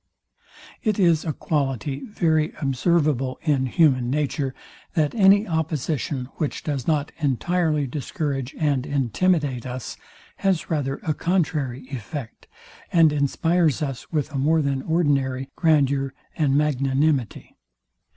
It is a quality very observable in human nature, that any opposition, which does not entirely discourage and intimidate us, has rather a contrary effect, and inspires us with a more than ordinary grandeur and magnanimity.